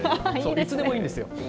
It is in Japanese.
いつでもいいんですよ。